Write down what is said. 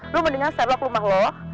lo mendingan setelah ke rumah lo